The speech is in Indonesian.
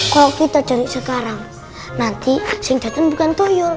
kalo kita cari sekarang nanti si yang datang bukan tuyul